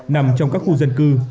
nằm trong các khu dân cư